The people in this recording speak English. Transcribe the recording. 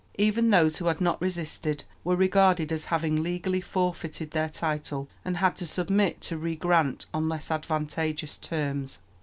Even those who had not resisted were regarded as having legally forfeited their title and had to submit to a re grant on less advantageous terms.